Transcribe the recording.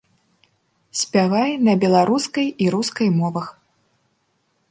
Спявае на беларускай і рускай мовах.